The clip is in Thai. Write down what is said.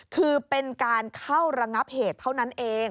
คือเป็นการเข้าระงับเหตุเท่านั้นเอง